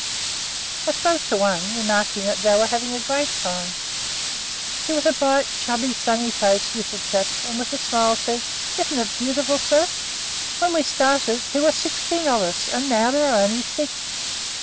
I spoke to one, remarking that they were having a great time. He was a bright, chubby, sunny faced little chap, and with a smile said: "Isn't it beautiful, sir? When we started, there were sixteen of us, and now there are only six!"